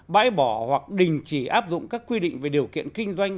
bãi bỏ hoặc đình chỉ áp dụng các quy định về điều kiện kinh doanh